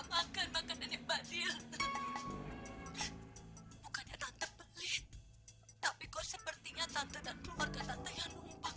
makan makannya badil bukannya tante pelit tapi kok sepertinya tante dan keluarga tante yang numpang